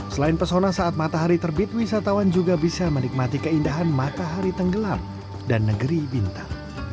selain pesona saat matahari terbit wisatawan juga bisa menikmati keindahan matahari tenggelam dan negeri bintang